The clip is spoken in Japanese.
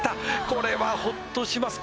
これはホッとします